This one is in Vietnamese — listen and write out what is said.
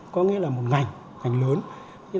có nghĩa là một ngành ngành lớn